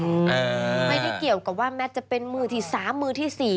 ไม่ได้เกี่ยวกับว่าแมทจะเป็นมือที่๓มือที่๔